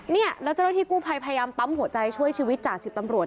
เนี่ยแล้วเจ้าหน้าที่กู้ภัยพยายามปั๊มหัวใจช่วยชีวิตจ่าสิบตำรวจ